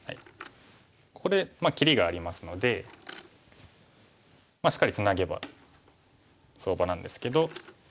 ここで切りがありますのでしっかりツナげば相場なんですけど。